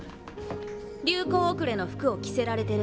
流行後れの服を着せられてる。